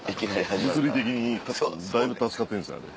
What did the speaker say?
物理的にだいぶ助かってるんですあれ。